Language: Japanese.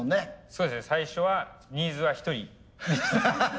そうですね最初はニーズは１人でした。